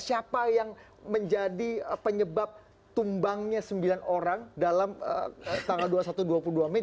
siapa yang menjadi penyebab tumbangnya sembilan orang dalam tanggal dua puluh satu dua puluh dua mei